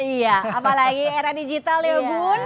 iya apalagi era digital ya bun